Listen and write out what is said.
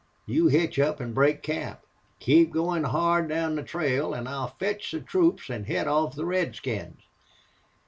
You hitch up an' break camp. Keep goin' hard down the trail, an' I'll fetch the troops an' head off the redskins."